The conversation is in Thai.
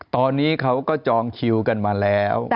ตอนนี้เขาก็จองคิวกันมาแล้ว